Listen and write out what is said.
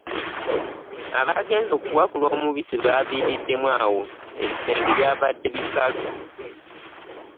Abaagenze okuwakula omubisi baaviiriddemu awo ebisenge by'abadde bikalu!